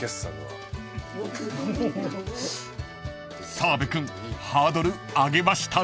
［澤部君ハードル上げましたね］